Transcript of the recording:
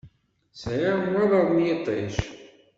Sɛiɣ nnwaḍeṛ n yiṭij.